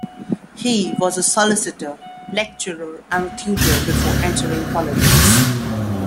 He was a solicitor, lecturer and tutor before entering politics.